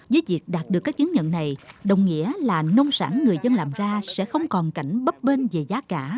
với việc đạt được các chứng nhận này đồng nghĩa là nông sản người dân làm ra sẽ không còn cảnh bấp bên về giá cả